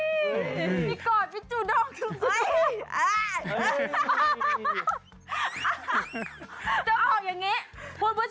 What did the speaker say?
พี่กอดพี่จูดอกทุก